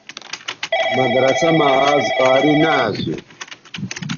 مدرسہ مہ آزقاری نہ اسُو